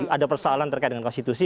ada persoalan terkait dengan konstitusi